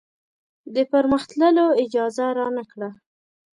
د پرمخ تللو اجازه رانه کړه.